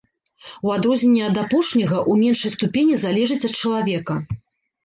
У адрозненне ад апошняга, у меншай ступені залежыць ад чалавека.